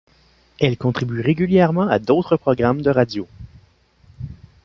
Elle contribue régulièrement à d'autres programmes de radio.